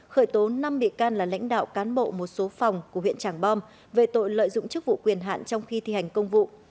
khởi tố năm bị can là lãnh đạo cán bộ một số phòng của huyện tràng bom về tội lợi dụng chức vụ quyền hạn trong khi thi hành công vụ